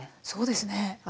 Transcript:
そうですね。